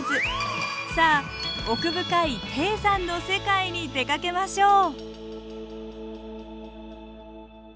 さあ奥深い低山の世界に出かけましょう。